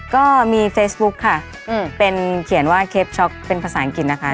ก็มีเฟซบุ๊คค่ะเป็นเขียนว่าเคปช็อกเป็นภาษาอังกฤษนะคะ